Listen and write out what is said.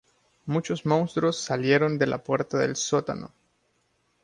Muchos monstruos salieron de la puerta del sótano.